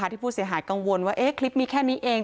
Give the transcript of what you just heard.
ที่ผู้เสียหายกังวลว่าคลิปมีแค่นี้เอง